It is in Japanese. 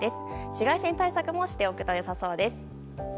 紫外線対策もしておくと良さそうです。